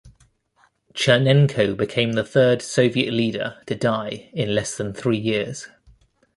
Chernenko became the third Soviet leader to die in less than three years.